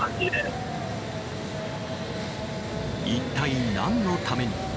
一体、何のために？